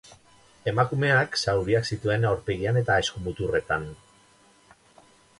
Emakumeak zauriak zituen aurpegian eta eskumuturretan.